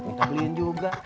minta beliin juga